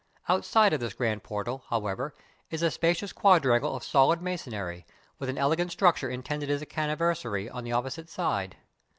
Outside of this grand portal, however, is a spacious quadrangle of solid masonry, with an ele gant structure intended as a caravanserai, on the oppo site side.